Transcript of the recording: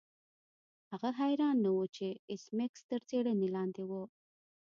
هغه حیران نه و چې ایس میکس تر څیړنې لاندې و